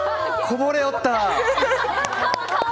こぼれおった！